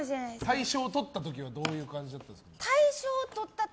大賞をとった時はどういう感じだったんですか？